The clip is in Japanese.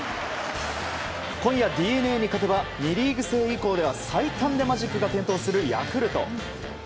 今夜ＤｅＮＡ勝てば２リーグ制以降では最短でマジックが点灯するヤクルト。